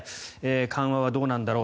緩和はどうなんだろう